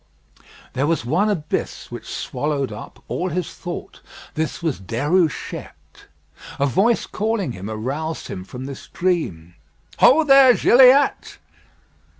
There was one abyss which swallowed up all his thought. This was Déruchette. A voice calling him, aroused him from this dream. "Ho there, Gilliatt!"